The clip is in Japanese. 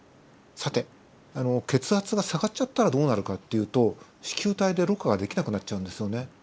さて血圧が下がっちゃったらどうなるかっていうと糸球体でろ過ができなくなっちゃうんですよね。